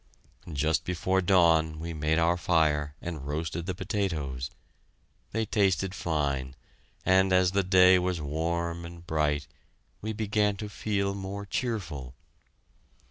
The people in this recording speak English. Just before dawn we made our fire and roasted the potatoes. They tasted fine, and as the day was warm and bright, we began to feel more cheerful.